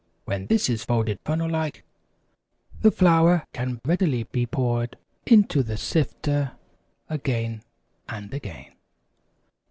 When this is folded funnel like, the flour can readily be poured into the sifter again and again."